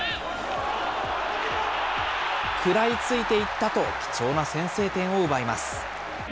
食らいついていったと、貴重な先制点を奪います。